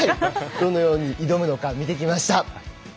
どのように挑むのか見てきました。